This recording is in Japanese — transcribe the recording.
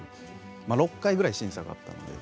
６回ぐらい審査があったので。